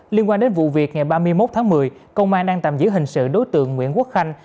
liên quan đến vụ việc ngày ba mươi một tháng một mươi công an đang tạm giữ hình sự đối tượng nguyễn quốc khanh